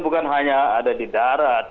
bukan hanya ada di darat